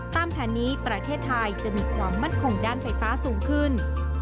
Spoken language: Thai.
แผนนี้ประเทศไทยจะมีความมั่นคงด้านไฟฟ้าสูงขึ้น